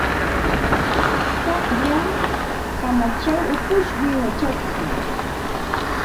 Tsaqlla hanachaw ukushmi wachashqa.